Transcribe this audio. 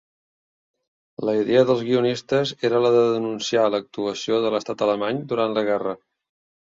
La idea dels guionistes era la de denunciar l'actuació de l'Estat alemany durant la guerra.